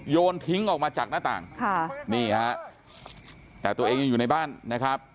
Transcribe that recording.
โยนทิ้งออกมาจากหน้าต่างค่ะนี่ฮะแต่ตัวเองยังอยู่ในบ้านนะครับ